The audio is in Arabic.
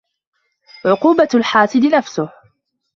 عقوبة الحاسد نفسه